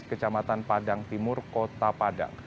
kecamatan padang timur kota padang